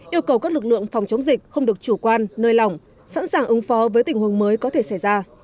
yêu cầu các lực lượng phòng chống dịch không được chủ quan nơi lỏng sẵn sàng ứng phó với tình huống mới có thể xảy ra